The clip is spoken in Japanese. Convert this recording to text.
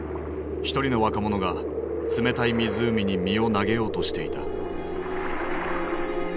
一人の若者が冷たい湖に身を投げようとしていた。